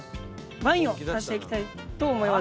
ワインを足していきたいと思います。